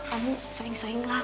kamu sering sering lah